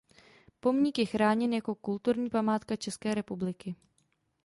Pomník je chráněn jak kulturní památka České republiky.